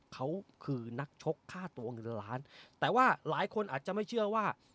เขาคือนักชกค่าตัวเงินล้านแต่ว่าหลายคนอาจจะไม่เชื่อว่า